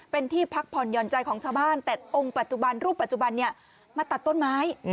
เป็นที่พักผ่อนหย่อนใจของชาวบ้านแต่องค์ปัจจุบันรูปปัจจุบันเนี่ยมาตัดต้นไม้